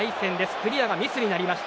クリアはミスになりました。